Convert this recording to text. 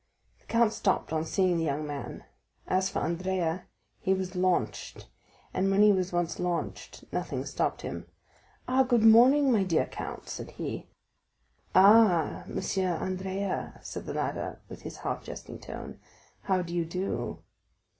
The count stopped on seeing the young man. As for Andrea, he was launched, and when he was once launched nothing stopped him. "Ah, good morning, my dear count," said he. "Ah, M. Andrea," said the latter, with his half jesting tone; "how do you do?"